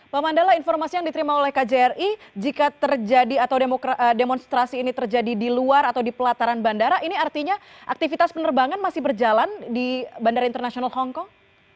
pak mandala informasi yang diterima oleh kjri jika terjadi atau demonstrasi ini terjadi di luar atau di pelataran bandara ini artinya aktivitas penerbangan masih berjalan di bandara internasional hongkong